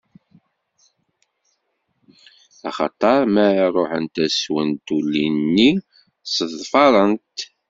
Axaṭer mi ara ṛuḥent ad swent, ulli-nni sseḍfarent.